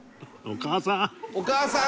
お母さん！